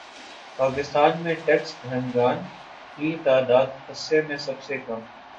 پاکستان میں ٹیکس دہندگان کی تعداد خطے میں سب سے کم